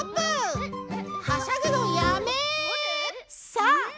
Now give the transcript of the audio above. さあ！